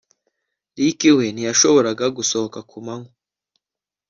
Ricky we ntiyashoboraga gusohoka ku manywa